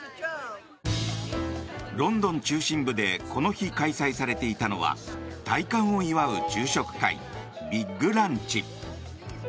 ロンドン中心部でこの日、開催されていたのは戴冠を祝う昼食会ビッグランチ。